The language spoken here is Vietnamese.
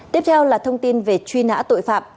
tiếp theo là thông tin về truy nã tội phạm